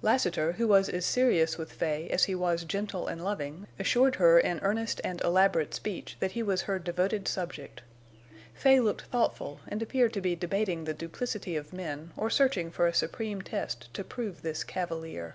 Lassiter, who was as serious with Fay as he was gentle and loving, assured her in earnest and elaborate speech that he was her devoted subject. Fay looked thoughtful and appeared to be debating the duplicity of men or searching for a supreme test to prove this cavalier.